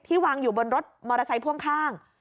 วางอยู่บนรถมอเตอร์ไซค์พ่วงข้าง